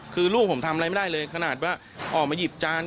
คือลูกผมทำอะไรไม่ได้เลยขนาดว่าออกมาหยิบจาน